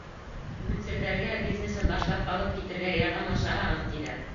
— Йүнселдәргә бизнесын башлап алып китергә ярҙамлашаһығыҙ, тиҙәр.